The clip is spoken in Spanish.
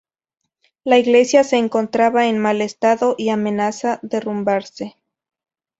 La iglesia se encontraba en mal estado y amenazaba derrumbarse.